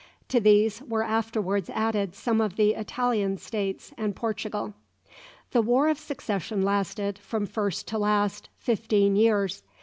To these were afterwards added some of the Italian states and Portugal. The War of Succession lasted, from first to last, fifteen years.